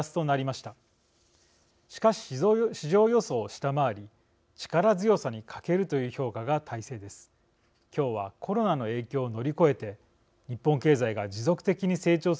しかし、市場予想を下回り力強さに欠けるという評価が大勢です。